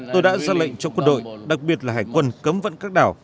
tôi đã ra lệnh cho quân đội đặc biệt là hải quân cấm vận các đảo